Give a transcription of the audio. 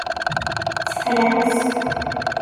Tefrawes.